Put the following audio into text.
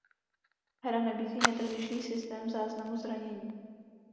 Hra nabízí netradiční systém záznamu zranění.